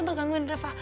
sampai gangguin reva